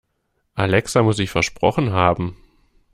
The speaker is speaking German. Alexa muss sich versprochen haben.